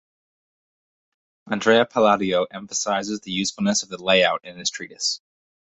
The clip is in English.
Andrea Palladio emphasises the usefulness of the lay-out in his treatise.